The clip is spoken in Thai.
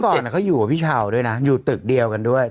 เก่งเขาอยู่กับพี่ชาวด้วยนะอยู่ตึกเดียวกันด้วย